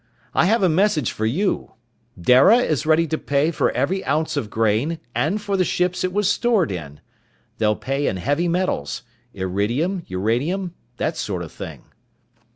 I have a message for you. Dara is ready to pay for every ounce of grain and for the ships it was stored in. They'll pay in heavy metals irridium, uranium, that sort of thing."